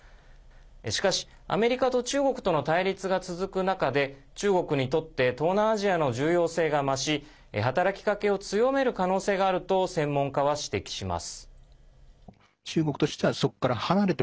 しかし、アメリカと中国との対立が続く中で中国にとって東南アジアの重要性が増し働きかけを強める可能性があると専門家は指摘します。